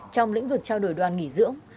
trong lĩnh vực trao đổi đoàn nghỉ dưỡng